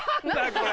これ。